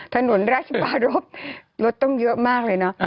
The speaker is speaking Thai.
ถนนราชปรบลดต้นเยอะมากเลยเนอะ